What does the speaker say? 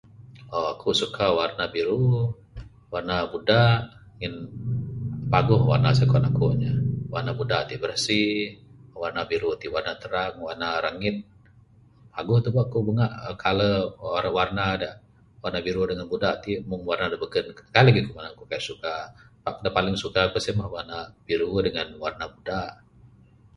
uhh ku suka warna biru warna buda ngin paguh warna suka aku. Warna buda ti birasi, warna biru ti warna terang warna rangit. Paguh tubek ku bunga color warna warna biru dangan buda ti. Warna da beken kaik lagih ku manang ku kaik suka pak. Pak da paling suka ku en mah warna biru dangan warna buda